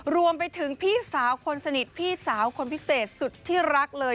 รวมไปถึงพี่สาวคนสนิทพี่สาวคนพิเศษสุดที่รักเลย